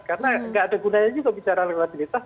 karena nggak ada gunanya juga bicara elektabilitas